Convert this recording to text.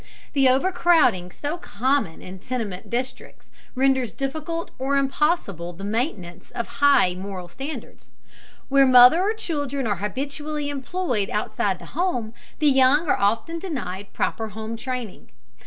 The overcrowding so common in tenement districts renders difficult or impossible the maintenance of high moral standards. Where mother or children are habitually employed outside the home, the young are often denied proper home training.